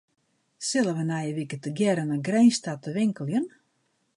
Sille wy nije wike tegearre nei Grins ta te winkeljen?